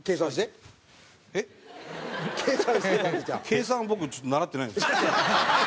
計算は僕ちょっと習ってないんですよ。